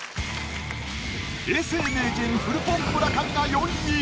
永世名人フルポン・村上が４位。